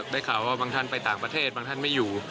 ได้ข่าวว่าบางท่านไปต่างประเทศบางท่านไม่อยู่